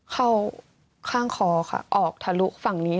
เข้าข้างคอค่ะออกทะลุฝั่งนี้